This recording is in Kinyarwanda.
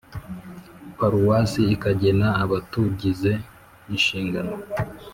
Paruwasi ikagena abatugize inshingano